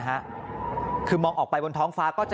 เหมือนกับพ่ออัลบิต